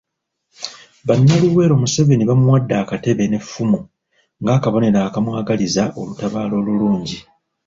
Bannaluweero Museveni baamuwadde akatebe n'effumu ng'akabonero akamwagaliza olutabaalo olulungi.